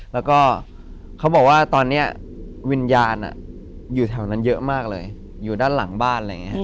แล้วบอกว่าตอนนี้วิญญาณอยู่แถวนั้นเยอะมากเลยอยู่ด้านหลังบ้าน